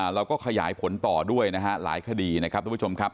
เราก็ขยายผลต่อด้วยนะฮะหลายคดีนะครับทุกผู้ชมครับ